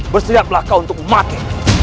bersiap belakang untuk mati